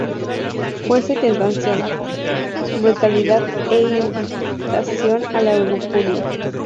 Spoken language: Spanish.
Fuerza y tentación, brutalidad e invitación a la lujuria.